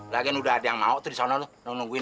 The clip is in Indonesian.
lagian udah ada yang mau disana nungguin